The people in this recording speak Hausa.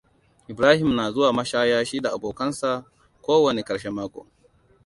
Ibrahim na zuwa mashaya shi da abokansa ko wane ƙarshen mako.